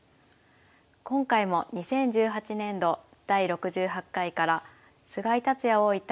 今回も２０１８年度第６８回から菅井竜也王位対